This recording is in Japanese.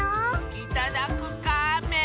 いただくカーメン！